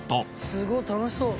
すごい楽しそう！